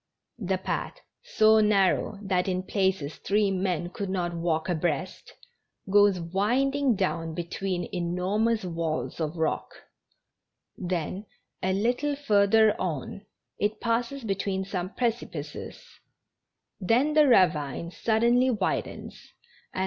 The path — so narrow, that in places three men could not walk abreast — goes winding down between enormous walls of rock ; then a little further on it passes between some precipices, then the ravine suddenly widens, and 236 GENERAL HAPPINESS.